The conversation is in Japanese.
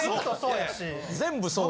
全部そうだ。